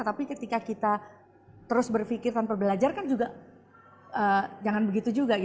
tapi ketika kita terus berpikir tanpa belajar kan juga jangan begitu juga